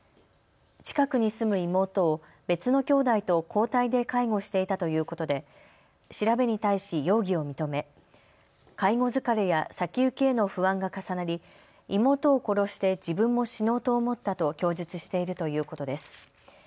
近くに住む妹を別のきょうだいと交代で介護していたということで調べに対し容疑を認め介護疲れや先行きへの不安が重なり妹を殺して自分も死のうと思ったと供述しているということです。